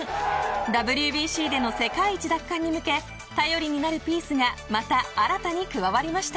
ＷＢＣでの世界一奪還に向け頼りになるピースがまた新たに加わりました。